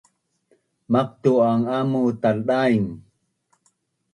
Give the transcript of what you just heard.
Maqtu’an amu taldaing